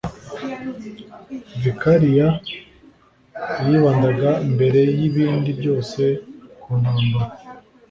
Vicariya yibandaga mbere y ibindi byose ku ntambara